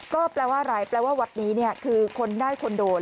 ก็แปลว่าอะไรแปลว่าวัดนี้คือคนได้คนโดน